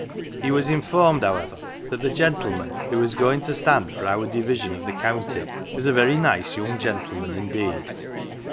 He was informed, however, that the gentleman who was going to stand for our division of 106 POLITICS the county was a very nice young gentleman indeed.